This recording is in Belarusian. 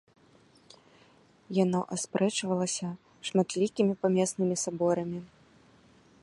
Яно аспрэчвалася шматлікімі памеснымі саборамі.